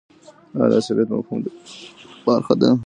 آیا د عصبيت مفهوم د ننني علم برخه ده؟